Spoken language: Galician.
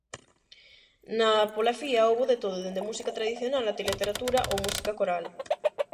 Na "Polafía" houbo de todo, dende música tradicional ata literatura ou música coral.